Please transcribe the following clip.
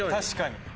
確かに。